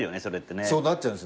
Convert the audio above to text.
それってね。